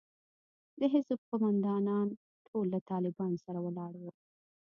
د حزب قومندانان ټول له طالبانو سره ولاړ وو.